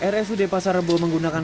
rsud pasar rebo menggunakan